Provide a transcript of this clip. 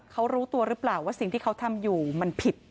เขารู้ตัวหรือเปล่าว่าสิ่งที่เขาทำอยู่มันผิด